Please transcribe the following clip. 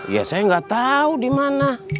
ya saya gak tau di mana